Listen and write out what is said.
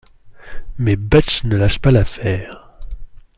Mais Butch ne lâche pas l'affaire.